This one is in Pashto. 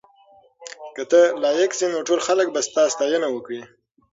که ته لایق شې نو ټول خلک به ستا ستاینه وکړي.